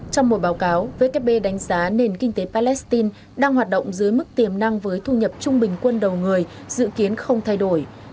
trong một báo cáo vkp đánh giá nền kinh tế palestine đang hoạt động dưới mức tiềm năng với thu nhập trung bình quân đầu người dự kiến không thay đổi